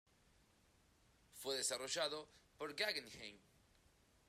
Fue desarrollado por Guggenheim.